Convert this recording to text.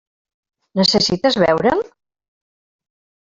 Necessites veure'l?